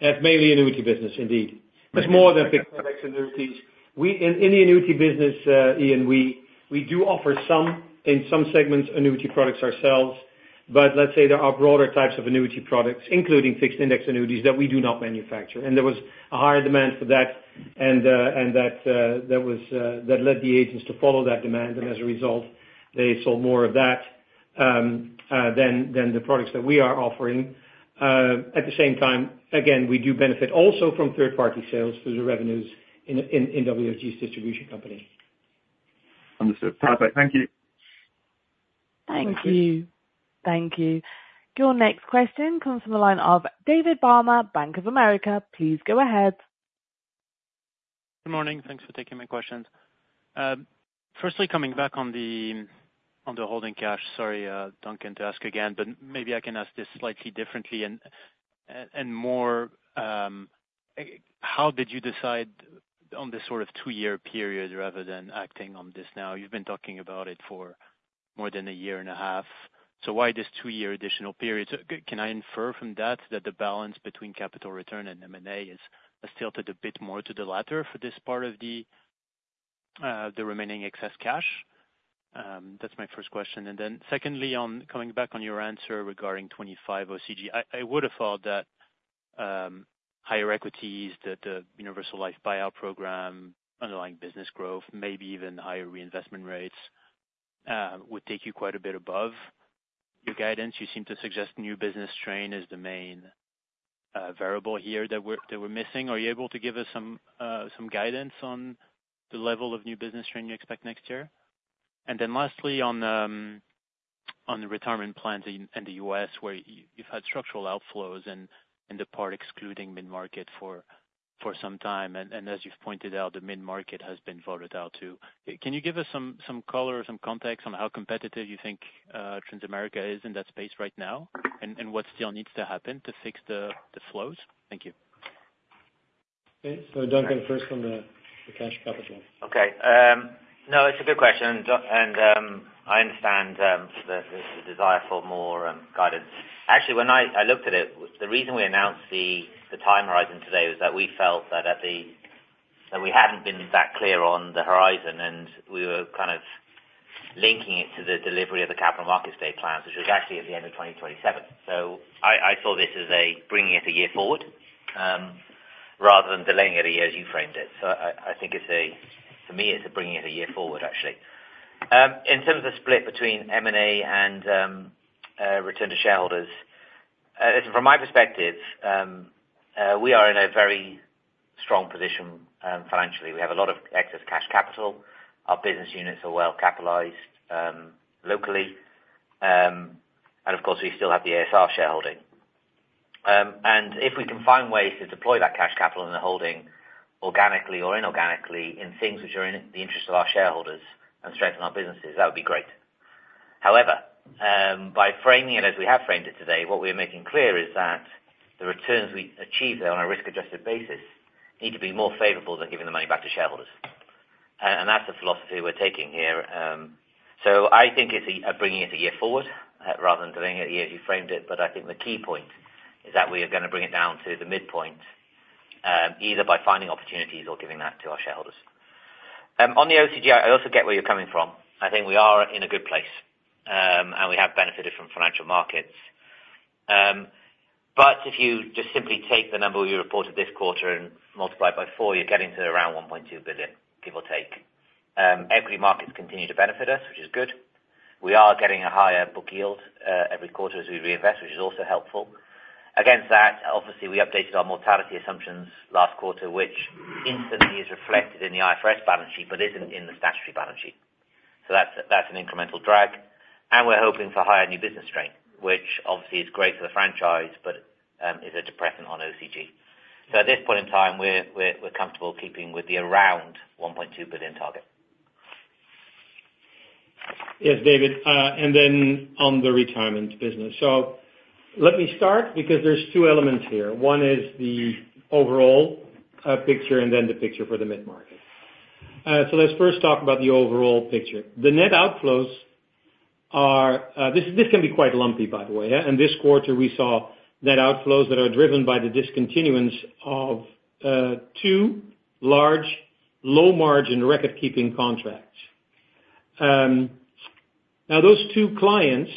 That's mainly annuity business, indeed. It's more than fixed index annuities. In the annuity business, Iain, we do offer some in some segments annuity products ourselves. But let's say there are broader types of annuity products, including fixed index annuities, that we do not manufacture. And there was a higher demand for that, and that led the agents to follow that demand. And as a result, they sold more of that than the products that we are offering. At the same time, again, we do benefit also from third-party sales through the revenues in WFG's distribution company. Understood. Perfect. Thank you. Thank you. Thank you. Your next question comes from the line of David Barma, Bank of America. Please go ahead. Good morning. Thanks for taking my questions. Firstly, coming back on the holding cash, sorry, Duncan, to ask again, but maybe I can ask this slightly differently and more. How did you decide on this sort of two-year period rather than acting on this now? You've been talking about it for more than a year and a half. So why this two-year additional period? Can I infer from that that the balance between capital return and M&A has tilted a bit more to the latter for this part of the remaining excess cash? That's my first question. And then secondly, coming back on your answer regarding 2025 OCG, I would have thought that higher equities, the Universal Life Buyout Program, underlying business growth, maybe even higher reinvestment rates would take you quite a bit above your guidance. You seem to suggest new business strain is the main variable here that we're missing. Are you able to give us some guidance on the level of new business strain you expect next year? And then lastly, on the retirement plans in the U.S., where you've had structural outflows and the part excluding mid-market for some time. As you've pointed out, the mid-market has been voted out too. Can you give us some color or some context on how competitive you think Transamerica is in that space right now and what still needs to happen to fix the flows? Thank you. Okay. So Duncan, first on the cash capital. Okay. No, it's a good question. And I understand the desire for more guidance. Actually, when I looked at it, the reason we announced the time horizon today was that we felt that we hadn't been that clear on the horizon, and we were kind of linking it to the delivery of the Capital Markets Day plans, which was actually at the end of 2027. So I saw this as bringing it a year forward rather than delaying it a year, as you framed it. So I think for me, it's a bringing it a year forward, actually. In terms of split between M&A and return to shareholders, from my perspective, we are in a very strong position financially. We have a lot of excess cash capital. Our business units are well capitalized locally. And of course, we still have the a.s.r. shareholding. And if we can find ways to deploy that cash capital in the holding organically or inorganically in things which are in the interest of our shareholders and strengthen our businesses, that would be great. However, by framing it as we have framed it today, what we are making clear is that the returns we achieve there on a risk-adjusted basis need to be more favorable than giving the money back to shareholders. And that's the philosophy we're taking here. So I think it's bringing it a year forward rather than delaying it a year, as you framed it. But I think the key point is that we are going to bring it down to the midpoint, either by finding opportunities or giving that to our shareholders. On the OCG, I also get where you're coming from. I think we are in a good place, and we have benefited from financial markets. But if you just simply take the number we reported this quarter and multiply it by four, you're getting to around 1.2 billion, give or take. Equity markets continue to benefit us, which is good. We are getting a higher book yield every quarter as we reinvest, which is also helpful. Against that, obviously, we updated our mortality assumptions last quarter, which instantly is reflected in the IFRS balance sheet but isn't in the statutory balance sheet. So that's an incremental drag. And we're hoping for higher new business strain, which obviously is great for the franchise but is a depressant on OCG. So at this point in time, we're comfortable keeping with the around 1.2 billion target. Yes, David. And then on the retirement business. So let me start because there's two elements here. One is the overall picture and then the picture for the mid-market. So let's first talk about the overall picture. The net outflows are. This can be quite lumpy, by the way. And this quarter, we saw net outflows that are driven by the discontinuance of two large low-margin record-keeping contracts. Now, those two clients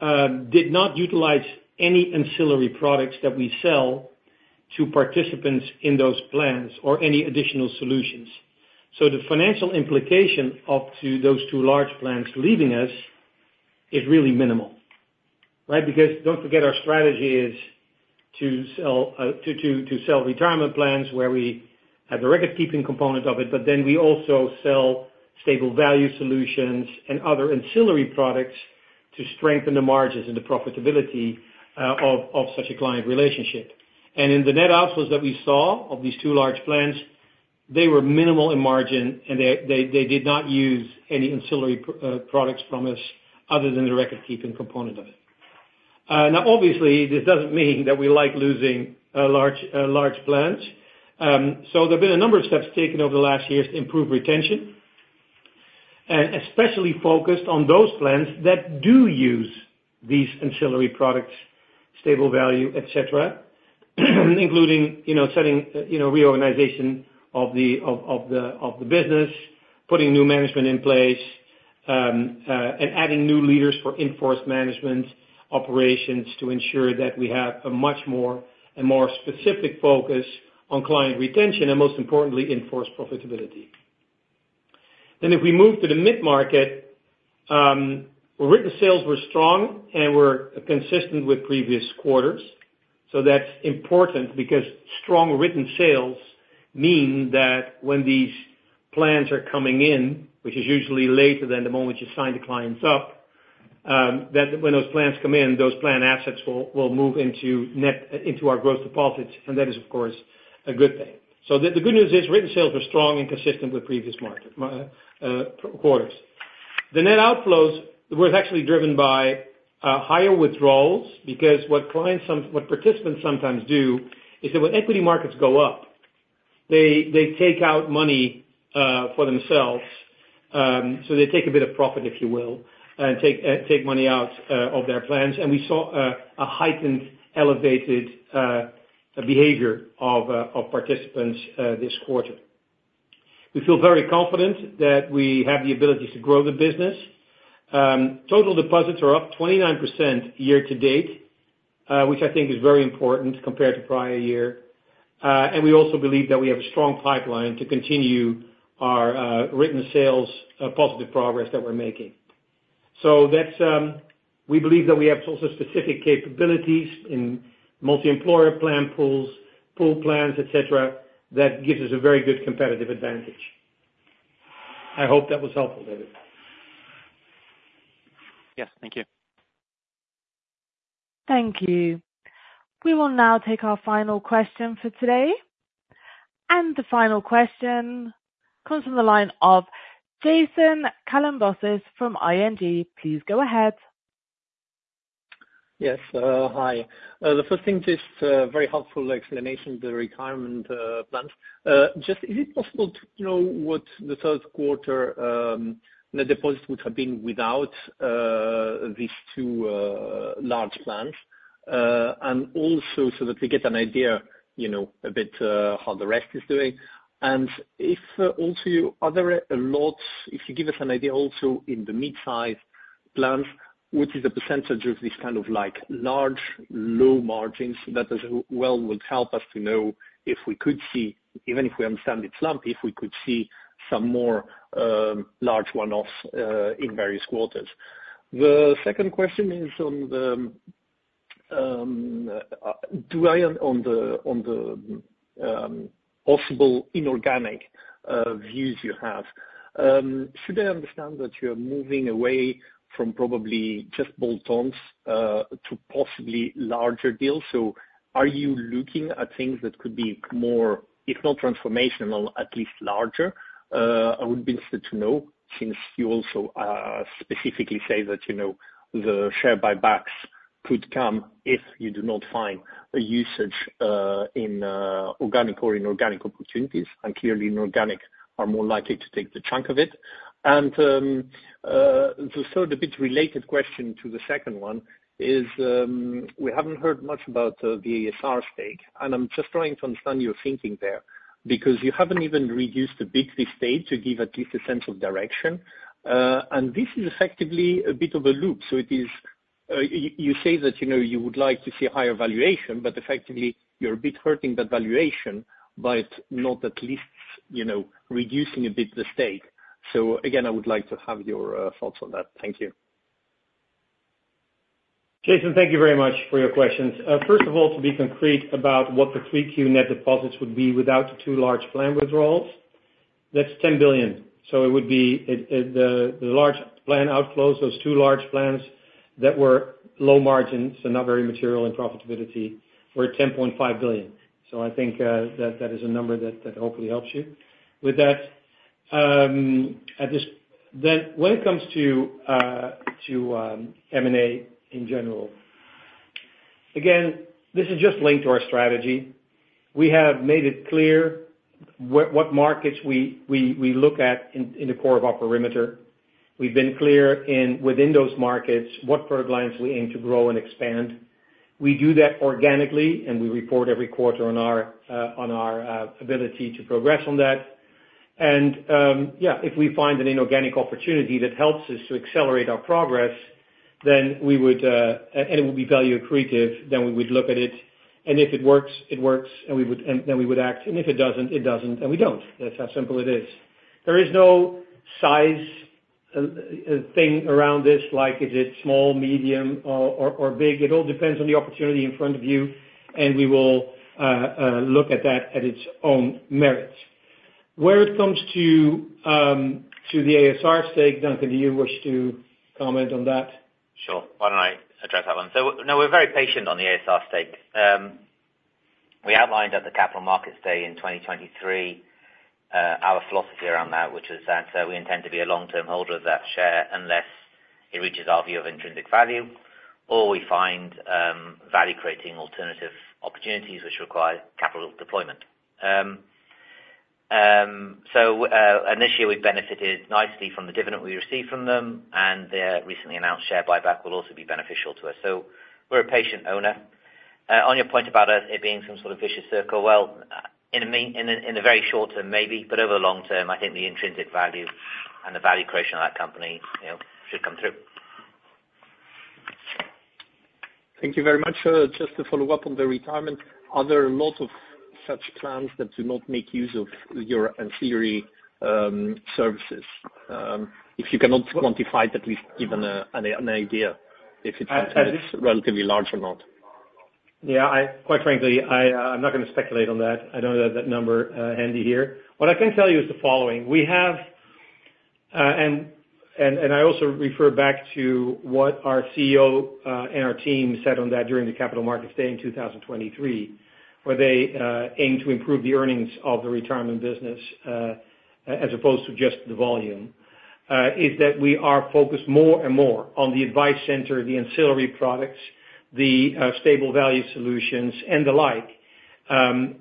did not utilize any ancillary products that we sell to participants in those plans or any additional solutions. So the financial implication of those two large plans leaving us is really minimal, right? Because don't forget, our strategy is to sell retirement plans where we have the record-keeping component of it, but then we also sell stable value solutions and other ancillary products to strengthen the margins and the profitability of such a client relationship, and in the net outflows that we saw of these two large plans, they were minimal in margin, and they did not use any ancillary products from us other than the record-keeping component of it. Now, obviously, this doesn't mean that we like losing large plans. So there have been a number of steps taken over the last years to improve retention and especially focused on those plans that do use these ancillary products, stable value, etc., including reorganization of the business, putting new management in place, and adding new leaders for in-force management operations to ensure that we have a much more and more specific focus on client retention and, most importantly, in-force profitability. Then if we move to the mid-market, written sales were strong and were consistent with previous quarters. So that's important because strong written sales mean that when these plans are coming in, which is usually later than the moment you sign the clients up, that when those plans come in, those plan assets will move into our gross deposits. And that is, of course, a good thing. So the good news is written sales were strong and consistent with previous quarters. The net outflows were actually driven by higher withdrawals because what participants sometimes do is that when equity markets go up, they take out money for themselves. So they take a bit of profit, if you will, and take money out of their plans. And we saw a heightened, elevated behavior of participants this quarter. We feel very confident that we have the ability to grow the business. Total deposits are up 29% year to date, which I think is very important compared to prior year. And we also believe that we have a strong pipeline to continue our written sales positive progress that we're making. So we believe that we have also specific capabilities in multi-employer plan pools, pooled plans, etc., that gives us a very good competitive advantage. I hope that was helpful, David. Yes, thank you. Thank you. We will now take our final question for today. The final question comes from the line of Jason Kalamboussis from ING. Please go ahead. Yes. Hi. The first thing is just a very helpful explanation of the retirement plans. Just, is it possible to know what the third quarter net deposit would have been without these two large plans? And also so that we get an idea a bit how the rest is doing. And if also you are there a lot, if you give us an idea also in the mid-size plans, what is the percentage of these kind of large low margins that as well would help us to know if we could see, even if we understand it's lumpy, if we could see some more large one-offs in various quarters? The second question is on the possible inorganic views you have. Should I understand that you're moving away from probably just bolt-ons to possibly larger deals? So are you looking at things that could be more, if not transformational, at least larger? I would be interested to know since you also specifically say that the share buybacks could come if you do not find a usage in organic or inorganic opportunities. And clearly, inorganic are more likely to take the chunk of it. And the third, a bit related question to the second one is we haven't heard much about the a.s.r. stake. And I'm just trying to understand your thinking there because you haven't even reduced a bit this stake to give at least a sense of direction. And this is effectively a bit of a loop. So it is you say that you would like to see a higher valuation, but effectively, you're a bit hurting that valuation, but not at least reducing a bit the stake. So again, I would like to have your thoughts on that. Thank you. Jason, thank you very much for your questions. First of all, to be concrete about what the 3Q net deposits would be without the two large plan withdrawals, that's 10 billion. So it would be the large plan outflows, those two large plans that were low margins and not very material in profitability were 10.5 billion. So I think that is a number that hopefully helps you with that. Then when it comes to M&A in general, again, this is just linked to our strategy. We have made it clear what markets we look at in the core of our perimeter. We've been clear within those markets what product lines we aim to grow and expand. We do that organically, and we report every quarter on our ability to progress on that. And yeah, if we find an inorganic opportunity that helps us to accelerate our progress, then we would, and it would be value accretive, then we would look at it. And if it works, it works, and then we would act. And if it doesn't, it doesn't, and we don't. That's how simple it is. There is no size thing around this, like is it small, medium, or big. It all depends on the opportunity in front of you, and we will look at that at its own merits. Where it comes to the a.s.r. stake, Duncan, do you wish to comment on that? Sure. Why don't I address that one? So now we're very patient on the a.s.r. stake. We outlined at the Capital Markets Day in 2023 our philosophy around that, which was that we intend to be a long-term holder of that share unless it reaches our view of intrinsic value or we find value-creating alternative opportunities which require capital deployment. So initially, we've benefited nicely from the dividend we received from them, and their recently announced share buyback will also be beneficial to us. So we're a patient owner. On your point about it being some sort of vicious circle, well, in the very short term, maybe, but over the long term, I think the intrinsic value and the value creation of that company should come through. Thank you very much. Just to follow up on the retirement, are there a lot of such plans that do not make use of your ancillary services? If you cannot quantify it, at least given an idea if it's relatively large or not. Yeah. Quite frankly, I'm not going to speculate on that. I don't have that number handy here. What I can tell you is the following. I also refer back to what our CEO and our team said on that during the Capital Markets Day in 2023, where they aim to improve the earnings of the retirement business as opposed to just the volume, is that we are focused more and more on the advice center, the ancillary products, the stable value solutions, and the like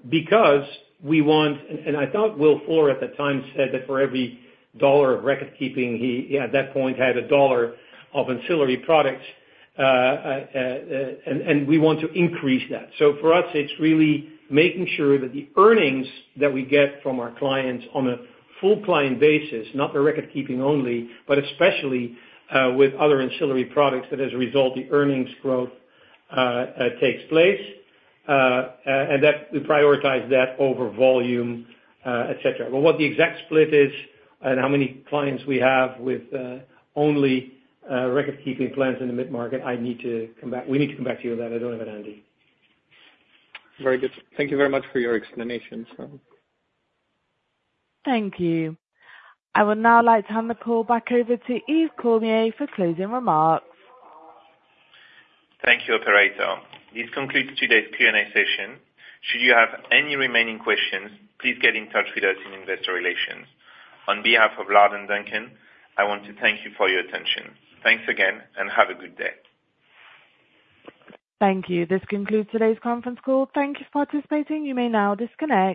because we want—and I thought Will Fuller at the time said that for every dollar of record-keeping, he at that point had a dollar of ancillary products—and we want to increase that. So for us, it's really making sure that the earnings that we get from our clients on a full client basis, not the record-keeping only, but especially with other ancillary products that, as a result, the earnings growth takes place, and that we prioritize that over volume, etc. But what the exact split is and how many clients we have with only record-keeping plans in the mid-market, I need to come back - we need to come back to you on that. I don't have it handy. Very good. Thank you very much for your explanations, sir. Thank you. I would now like to hand the call back over to Yves Cormier for closing remarks. Thank you, Operator. This concludes today's Q&A session. Should you have any remaining questions, please get in touch with us in investor relations. On behalf of Lard and Duncan, I want to thank you for your attention. Thanks again, and have a good day. Thank you. This concludes today's conference call. Thank you for participating. You may now disconnect.